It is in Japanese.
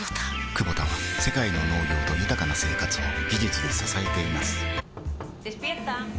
クボタは世界の農業と豊かな生活を技術で支えています起きて。